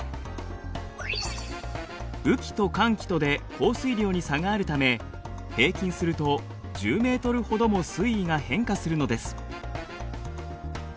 雨季と乾季とで降水量に差があるため平均すると１０ｍほども水位が変化するのです。